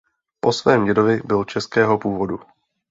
Po svém dědovi byl českého původu.